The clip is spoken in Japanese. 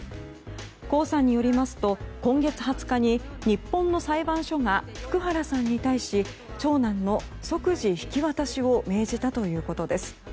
コウさんによりますと今月２０日に日本の裁判所が福原さんに対し長男の即時引き渡しを命じたということです。